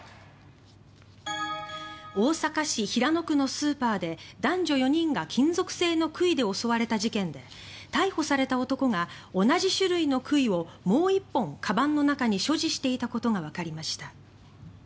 大阪市平野区のスーパーで男女４人が金属製の杭で襲われた事件で逮捕された男が同じ種類の杭をもう１本かばんの中に所持していたことがわかりました。